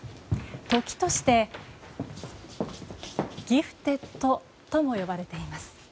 時として、ギフテッドとも呼ばれています。